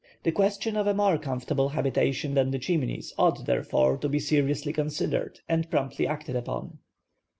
The question of a more comfortable habitation than the Chimneys ought, therefore, to be seriously considered, and promptly acted upon.